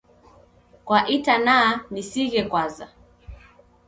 Kwa itanaa nisighe kwanza.